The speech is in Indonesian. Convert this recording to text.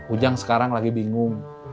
ujang sekarang lagi bingung